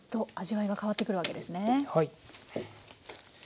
はい。